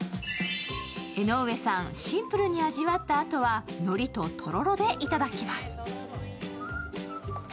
江上さん、シンプルに味わったあとはのりと、とろろでいただきます。